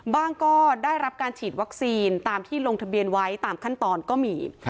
ก็ได้รับการฉีดวัคซีนตามที่ลงทะเบียนไว้ตามขั้นตอนก็มี